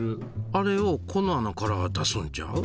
あれをこの穴から出すんちゃう？